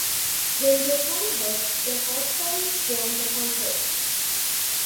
When they find her, the hostiles join the concert.